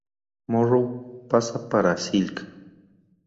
Morrow, pasa para Silk.